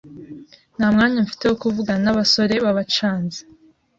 Ntamwanya mfite wo kuvugana n’abasore b’abacanzi